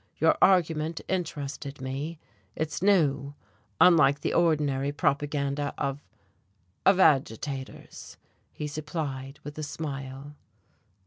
Your argument interested me. It's new, unlike the ordinary propaganda of " "Of agitators," he supplied, with a smile.